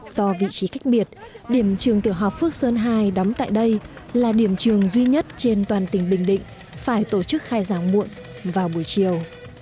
do vị trí cách biệt điểm trường tiểu học phước sơn hai đóng tại đây là điểm trường duy nhất trên toàn tỉnh bình định phải tổ chức khai giảng muộn vào buổi chiều